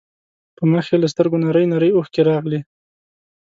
په مخ يې له سترګو نرۍ نرۍ اوښکې راغلې.